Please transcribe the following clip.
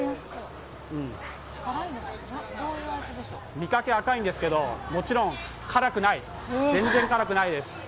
見かけ赤いんですけど、もちろん辛くない、全然辛くないです。